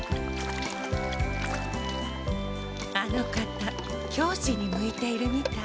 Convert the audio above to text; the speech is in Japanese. あの方教師に向いているみたい。